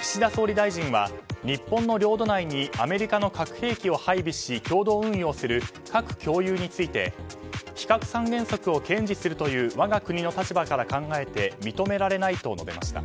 岸田総理大臣は日本の領土内にアメリカの核兵器を配備し、共同運用する核共有について非核三原則を堅持するという我が国の立場から考えて、認められないと述べました。